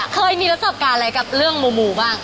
เคยมีรักษาการอะไรกับเรื่องหมู่บ้าง